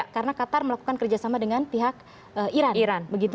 karena qatar melakukan kerjasama dengan pihak iran